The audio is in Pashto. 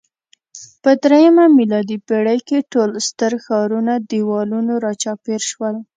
په درېیمه میلادي پېړۍ کې ټول ستر ښارونه دېوالونو راچاپېر شول